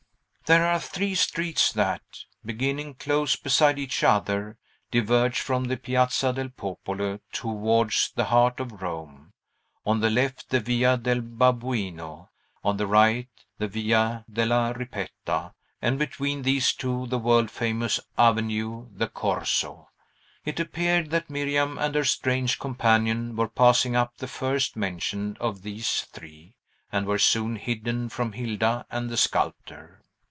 There are three streets that, beginning close beside each other, diverge from the Piazza del Popolo towards the heart of Rome: on the left, the Via del Babuino; on the right, the Via della Ripetta; and between these two that world famous avenue, the Corso. It appeared that Miriam and her strange companion were passing up the first mentioned of these three, and were soon hidden from Hilda and the sculptor.